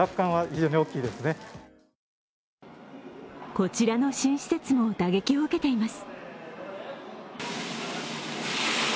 こちらの新施設も打撃を受けています。